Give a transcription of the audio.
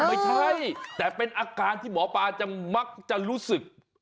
ไม่ใช่แต่เป็นอาการที่หมอปลาจะมักจะรู้สึก